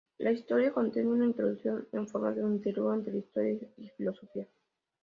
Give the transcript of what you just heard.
La historia contiene una introducción en forma de un diálogo entre historia y filosofía.